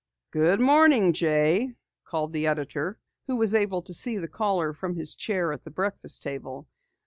"Good morning, Jay," called the editor, who was able to see the caller from his chair at the breakfast table.